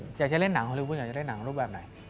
ไหนอยากจะเล่นหนังฮอลลี่วูดรูปแบบไหน